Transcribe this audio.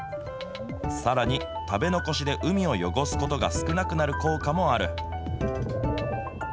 さらに食べ残しで海を汚すことが少なくなる効果もある。